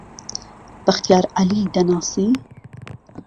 بەختیار عەلی دەناسی؟